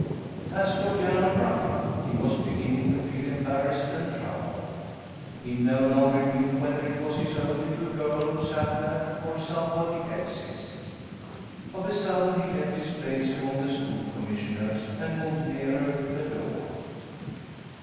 As for Jan of Ruffluck, he was beginning to feel embarrassed and troubled. He no longer knew whether it was his own little girl who sat there or somebody else's. Of a sudden he left his place among the School Commissioners and moved nearer the door.